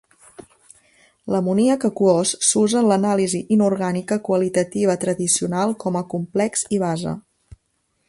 L'amoníac aquós s'usa en l'anàlisi inorgànica qualitativa tradicional com a complex i base.